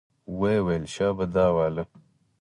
ويې ويل شابه دا واله.